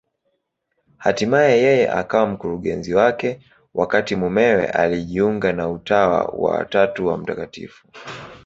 Hatimaye yeye akawa mkurugenzi wake, wakati mumewe alijiunga na Utawa wa Tatu wa Mt.